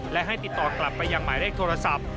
และให้ติดต่อกลับไปยังหมายเลขโทรศัพท์